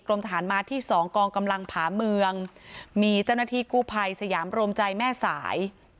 ทหารมาที่สองกองกำลังผาเมืองมีเจ้าหน้าที่กู้ภัยสยามโรมใจแม่สาย